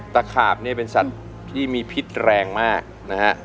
ขาบเนี่ยเป็นสัตว์ที่มีพิษแรงมากนะฮะ